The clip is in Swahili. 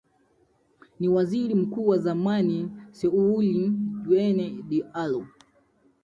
ni waziri mkuu wa zamani seloun denien dialo